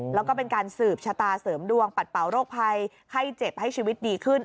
แล้วก็เป็นการสืบชะตาเสริมดวงปัดเป่าโรคภัยไข้เจ็บให้ชีวิตดีขึ้น